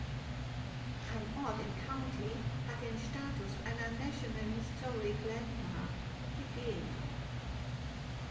Ein Ort im County hat den Status einer National Historic Landmark, die Gen.